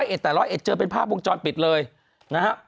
๑๐๐เอ็ดแต่๑๐๐เอ็ดเจอเป็นภาพวงจรปิดเลยนะครับ